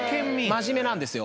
真面目なんですよ。